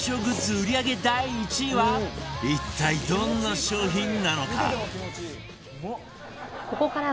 売り上げ第１位は一体どんな商品なのか？